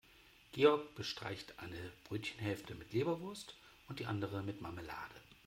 Georg bestreicht eine Brötchenhälfte mit Leberwurst und die andere mit Marmelade.